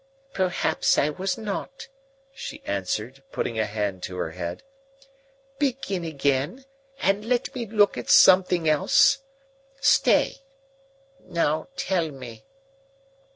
"Perhaps I was not," she answered, putting a hand to her head. "Begin again, and let me look at something else. Stay! Now tell me."